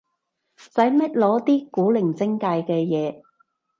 使乜攞啲古靈精怪嘅嘢